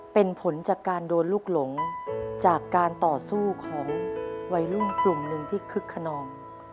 เป็นผลจากการโดนลูกหลงจากการต่อสู้ของวัยรุ่นกลุ่มหนึ่งที่คึกขนอง